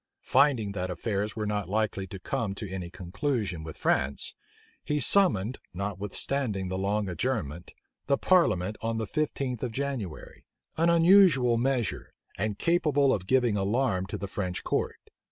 Finding that affairs were not likely to come to any conclusion with France, he summoned, notwithstanding the long adjournment, the parliament on the fifteenth of January; an unusual measure, and capable of giving alarm to the French court.